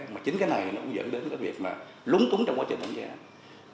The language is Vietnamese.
mà chính cái này nó cũng dẫn đến cái việc mà lúng túng trong quá trình đánh giá